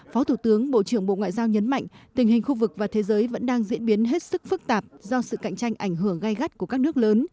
phó thủ tướng bộ trưởng bộ ngoại giao nhấn mạnh tình hình khu vực và thế giới vẫn đang diễn biến hết sức phức tạp do sự cạnh tranh ảnh hưởng gai gắt của các nước lớn